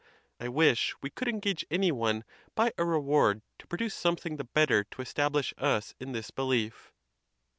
I wish we could engage any one by a reward to produce something the better to establish us in this belief.